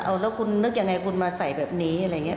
เอาแล้วคุณนึกยังไงคุณมาใส่แบบนี้อะไรอย่างนี้